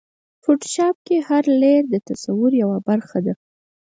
فوټوشاپ کې هر لېیر د تصور یوه برخه ده.